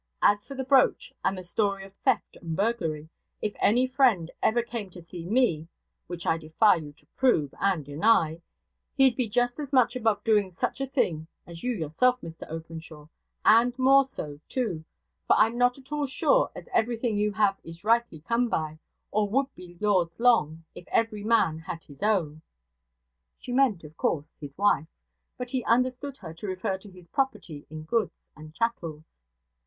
As for the brooch, and the story of theft and burglary; if any friend ever came to see me (which I defy you to prove, and deny), he'd be just as much above doing such a thing as you yourself, Mr Openshaw and more so, too; for I'm not at all sure as everything you have is rightly come by, or would be yours long, if every man had his own.' She meant, of course, his wife; but he understood her to refer to his property in goods and chattels.